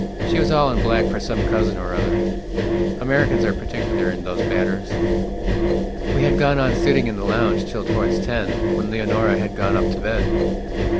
She was all in black for some cousin or other. Americans are particular in those matters. We had gone on sitting in the lounge till towards ten, when Leonora had gone up to bed.